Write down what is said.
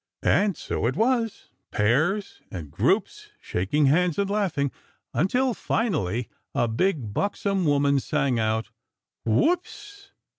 And so it was; pairs and groups shaking hands and laughing, until finally a big buxom woman sang out: "_Whoops!!